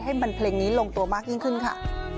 เพลงนี้ลงตัวมากยิ่งขึ้นค่ะ